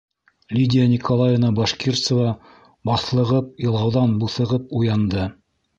Лидия Николаевна Башкирцева баҫлығып, илауҙан буҫығып уянды.